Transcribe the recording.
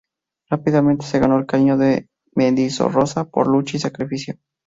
Rápidamente se ganó el cariño de Mendizorroza por su lucha y sacrificio.